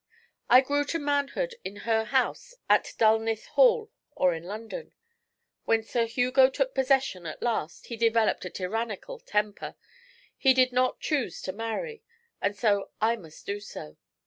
I grew to manhood in her house at Dulnith Hall, or in London. When Sir Hugo took possession at last he developed a tyrannical temper. He did not choose to marry, and so I must do so.